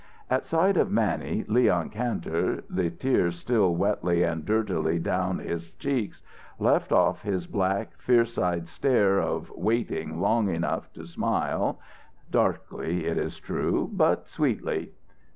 At sight of Mannie, Leon Kantor, the tears still wetly and dirtily down his cheeks, left off his black, fierce eyed stare of waiting long enough to smile, darkly, it is true, but sweetly.